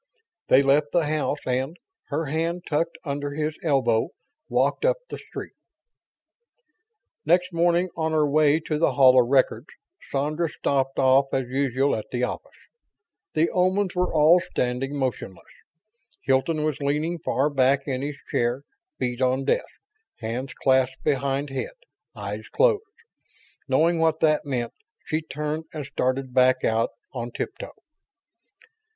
They left the house and, her hand tucked under his elbow, walked up the street. Next morning, on her way to the Hall of Records, Sandra stopped off as usual at the office. The Omans were all standing motionless. Hilton was leaning far back in his chair, feet on desk, hands clasped behind head, eyes closed. Knowing what that meant, she turned and started back out on tiptoe.